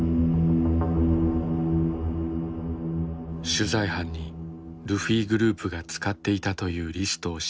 取材班にルフィグループが使っていたというリストを示したササキ。